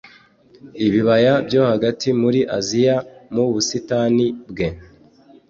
ibibaya byo hagati muri aziya mu busitani bwe,